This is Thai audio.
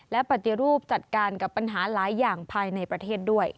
และปฏิรูปจัดการกับปัญหาหลายอย่างภายในประเทศด้วย